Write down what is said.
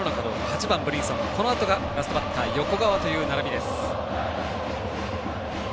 ８番、ブリンソン、このあとがラストバッター、横川という並び。